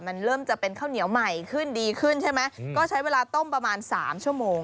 มันเริ่มจะเป็นข้าวเหนียวใหม่ขึ้นดีขึ้นใช่ไหมก็ใช้เวลาต้มประมาณสามชั่วโมง